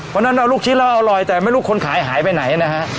เพราะฉะนั้นเอาลูกชิ้นแล้วอร่อยแต่ไม่รู้คนขายหายไปไหนนะฮะ